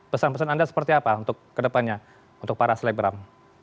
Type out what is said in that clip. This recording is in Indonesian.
pesan pesan anda seperti apa untuk kedepannya untuk para selebgram